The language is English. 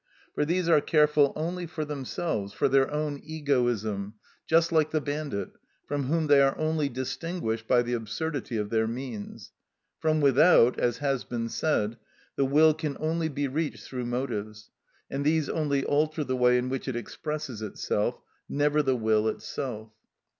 For these are careful only for themselves, for their own egoism, just like the bandit, from whom they are only distinguished by the absurdity of their means. From without, as has been said, the will can only be reached through motives, and these only alter the way in which it expresses itself, never the will itself.